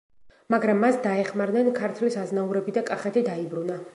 მაგრამ მას დაეხმარნენ ქართლის აზნაურები და კახეთი დაიბრუნა.